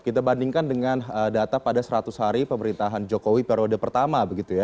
kita bandingkan dengan data pada seratus hari pemerintahan jokowi periode pertama begitu ya